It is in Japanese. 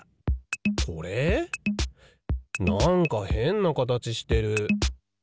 なんかへんなかたちしてる。